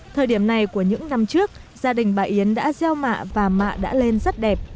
thời điểm này của những năm trước gia đình bà yến đã gieo mạ và mạ đã lên rất đẹp